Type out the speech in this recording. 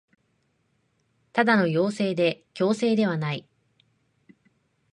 ただの要請で強制ではない